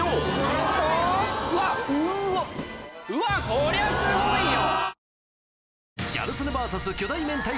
こりゃすごいよ！